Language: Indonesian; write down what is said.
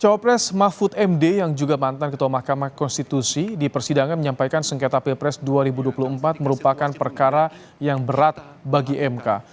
cawapres mahfud md yang juga mantan ketua mahkamah konstitusi di persidangan menyampaikan sengketa pilpres dua ribu dua puluh empat merupakan perkara yang berat bagi mk